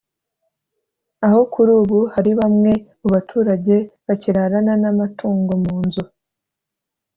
aho kuri ubu hari bamwe mu baturage bakirarana n’amatungo mu nzu